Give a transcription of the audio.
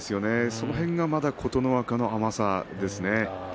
その辺が琴ノ若の甘さですね。